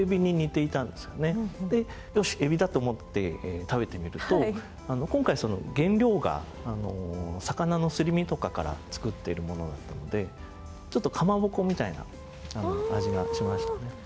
でよしエビだ！と思って食べてみると今回その原料が魚のすり身とかから作ってるものだったのでちょっとかまぼこみたいな味がしましたね。